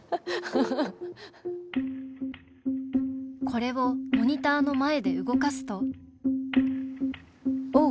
これをモニターの前で動かすとおお！